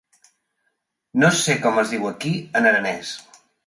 No sé com es diu aquí en aranès.